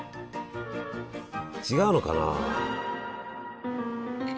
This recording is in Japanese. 違うのかな。